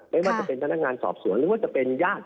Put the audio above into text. ไม่ว่าจะเป็นพนักงานสอบสวนหรือว่าจะเป็นญาติ